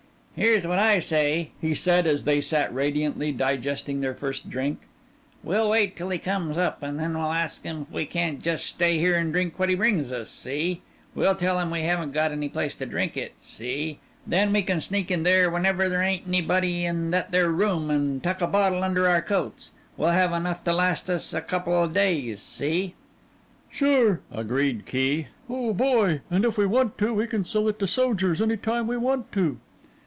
"Here's what I say," he said, as they sat radiantly digesting their first drink. "We'll wait till he comes up, and we'll ask him if we can't just stay here and drink what he brings us see. We'll tell him we haven't got any place to drink it see. Then we can sneak in there whenever there ain't nobody in that there room and tuck a bottle under our coats. We'll have enough to last us a coupla days see?" "Sure," agreed Rose enthusiastically. "Oh, boy! And if we want to we can sell it to sojers any time we want to."